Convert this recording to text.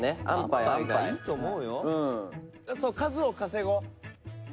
数を稼ごう。